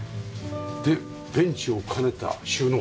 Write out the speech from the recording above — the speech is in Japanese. でベンチを兼ねた収納。